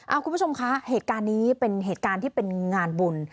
คุณผู้ชมคะเหตุการณ์นี้เป็นเหตุการณ์ที่เป็นงานบุญ